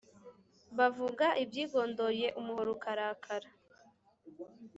Bavuga ibyigondoye umuhoro ukarakara.